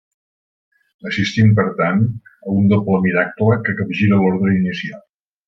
Assistim, per tant, a un doble miracle que capgira l'ordre inicial.